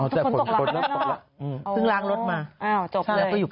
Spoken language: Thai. อ๋อแต่ผลปลดแล้ว